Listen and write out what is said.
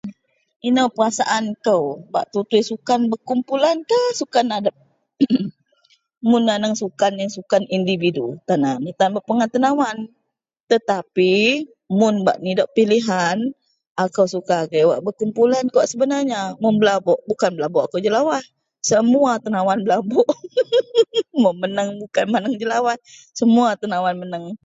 inou perasaan kou bak tutui sukan berkumpulankah sukan adep em em mun aneng sukan ien sukan individu, tan aan tan bak pegan tenawan tetapi mun bak nidok pilihan akou suka agei wak berkumpulan kawak sebenarnya, belabok bukan belabok akou jelawaih semua tenawan belabok.. mun menang bukan menang jelawaih, semua tenawan menang